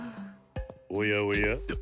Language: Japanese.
おやおや？